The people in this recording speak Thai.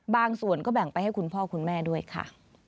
บางส่วนก็แบ่งไปให้คุณพ่อคุณแม่ด้วยค่ะ